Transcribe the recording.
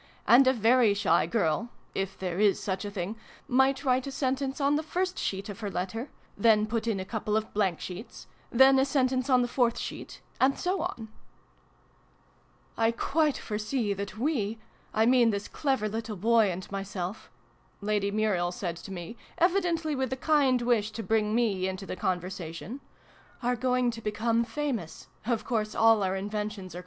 And a very shy girl if there is such a thing might write a sentence on \hefirst sheet of her letter then put in a couple of blank sheets then a sentence on the fourth sheet : and so on "" I quite foresee that we 1 mean this clever little boy and myself " Lady Muriel said to me, evidently with the kind wish to bring me into the conversation, " are going to become famous of course all our inventions are vni] IN A SHADY PLACE.